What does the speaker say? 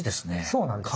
そうなんですよ。